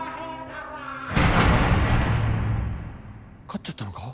勝っちゃったのか？